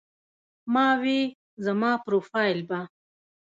ما وې زما پروفائيل به